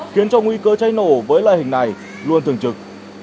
khiến cho nguy cơ cháy nổ với loại hình này luôn thường trực